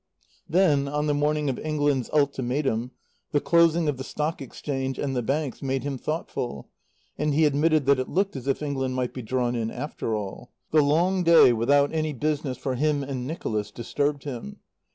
Then, on the morning of England's ultimatum, the closing of the Stock Exchange and the Banks made him thoughtful, and he admitted that it looked as if England might be drawn in after all. The long day, without any business for him and Nicholas, disturbed him.